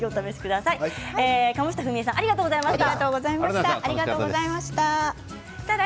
鴨下ふみえさんありがとうございました。